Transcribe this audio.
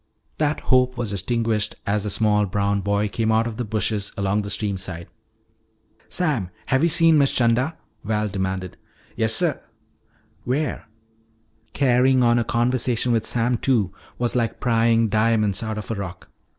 That hope was extinguished as the small brown boy came out of the bushes along the stream side. "Sam, have you seen Miss 'Chanda?" Val demanded. "Yessuh." "Where?" Carrying on a conversation with Sam Two was like prying diamonds out of a rock.